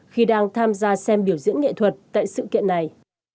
khi đang tham gia xem biểu diễn nghệ thuật tại sự kiện này